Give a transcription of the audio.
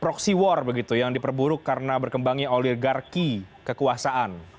proksi war begitu yang diperburuk karena berkembang oligarki kekuasaan